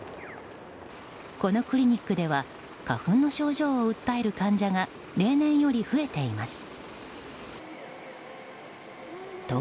このクリニックでは花粉の症状を訴える患者が例年より増えています。